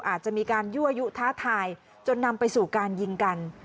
อาจจะมีการยั่วยุท้าทายจนนำไปสู่การยิงกัน